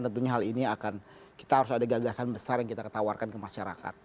tentunya hal ini akan kita harus ada gagasan besar yang kita tawarkan ke masyarakat